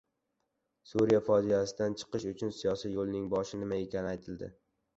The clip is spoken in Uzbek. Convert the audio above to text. Suriya fojiasidan chiqish uchun siyosiy yo‘lning boshi nima ekani aytildi